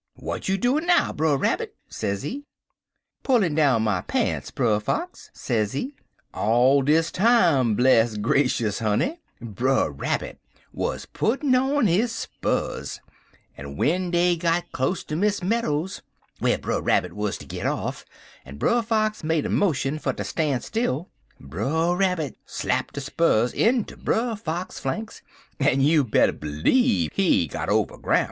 "'W'at you doin' now, Brer Rabbit?' sezee. "'Pullin' down my pants, Brer Fox,' sezee. "All de time, bless grashus, honey, Brer Rabbit wer' puttin' on his spurrers, en w'en dey got close to Miss Meadows's, whar Brer Rabbit wuz to git off, en Brer Fox made a motion fer ter stan' still, Brer Rabbit slap de spurrers into Brer Fox flanks, en you better b'leeve he got over groun'.